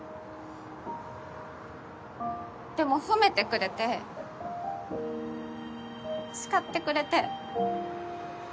でも褒めてくれて叱ってくれて。